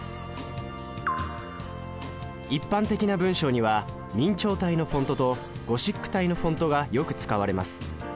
一般的な文章には明朝体のフォントとゴシック体のフォントがよく使われます。